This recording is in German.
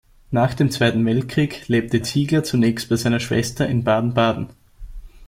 Nach dem Zweiten Weltkrieg lebte Ziegler zunächst bei seiner Schwester in Baden-Baden.